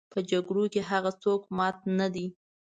په جګړو کې هغه څوک مات نه دي.